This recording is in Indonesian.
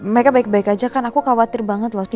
mereka baik baik aja kan aku khawatir banget waktu